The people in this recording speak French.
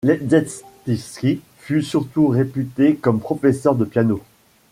Leszetycki fut surtout réputé comme professeur de piano.